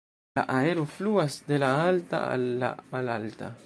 La aero fluas de la alta al la malalta.